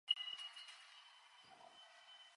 They still perform.